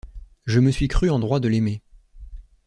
Je me suis crue en droit de l’aimer.